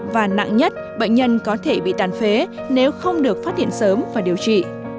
và nặng nhất bệnh nhân có thể bị tàn phế nếu không được phát hiện sớm và điều trị